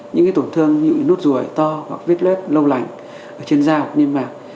những tổn thương như nốt ruồi to hoặc vết lết lâu lạnh ở trên da hoặc niêm mạc